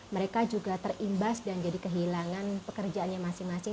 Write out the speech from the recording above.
mereka juga terimbas dan jadi kehilangan pekerjaannya masing masing